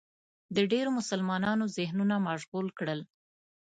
د ډېرو مسلمانانو ذهنونه مشغول کړل